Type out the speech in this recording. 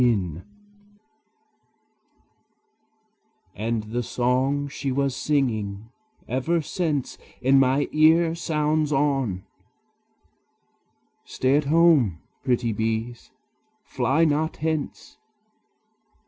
And the song she was singing ever since In my ear sounds on: "Stay at home, pretty bees, fly not hence!